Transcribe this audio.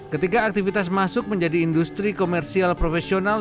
ketika aktivitas masuk menjadi industri komersial profesional